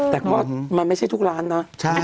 แต่ก็มันไม่ใช่ทุกร้านนะ